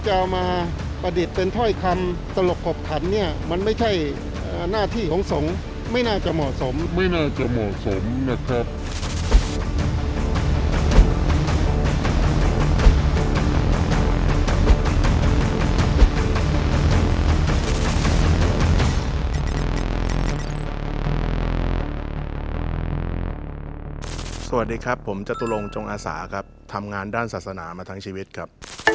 สวัสดีครับผมจตุลงจงอาสาครับทำงานด้านศาสนามาทั้งชีวิตครับ